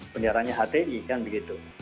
benderanya hdi kan begitu